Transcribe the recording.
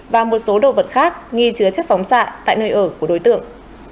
và một số đồ vật khác nghi chứa chất phóng xạ tại nơi ở của đối tượng